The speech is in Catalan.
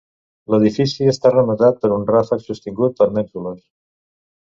L'edifici està rematat per un ràfec sostingut per mènsules.